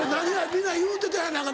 皆言うてたやないか。